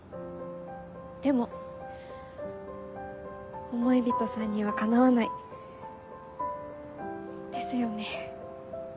でも思い人さんにはかなわないですよね。